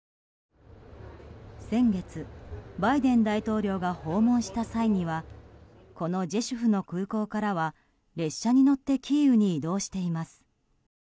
先月、バイデン大統領が訪問した際にはこのジェシュフの空港からは列車に乗ってキーウに移動しています。